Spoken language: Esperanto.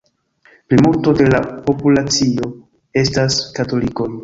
Plimulto de la populacio estas katolikoj.